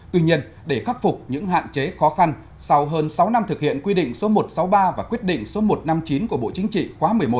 tuy nhiên để khắc phục những hạn chế khó khăn sau hơn sáu năm thực hiện quy định số một trăm sáu mươi ba và quyết định số một trăm năm mươi chín của bộ chính trị khóa một mươi một